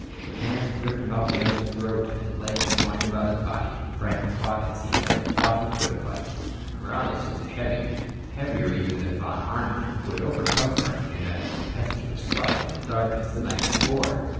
With hands gripped about the other's throat and legs twined about his body, Frank fought as he never thought he could fight. Morales was a heavy man, heavier even than Von Arnheim who had overcome Frank in that tempestuous fight in the darkness the night before.